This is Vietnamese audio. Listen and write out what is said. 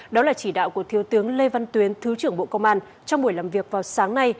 đó là chỉ đạo của thiếu tướng lê văn tuyến thứ trưởng bộ công an trong buổi làm việc vào sáng nay